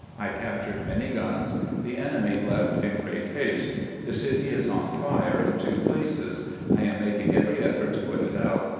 I captured many guns. The enemy left iri great haste. The city is on fire in two places. Am making every effort to put it out.